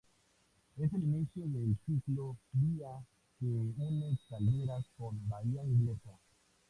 Es el inicio de la ciclo vía que une Caldera con Bahía Inglesa.